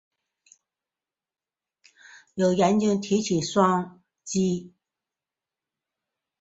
有研究提出双三嗪基吡啶。